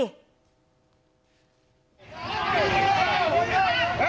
เฟี้ยวจับมา